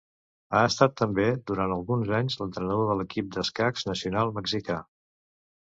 Ha estat també durant alguns anys l'entrenador de l'equip d'escacs nacional mexicà.